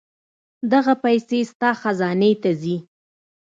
دغه پېسې ستا خزانې ته راځي.